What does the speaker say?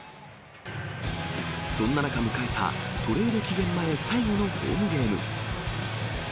そんな中、迎えたトレード期限前、最後のホームゲーム。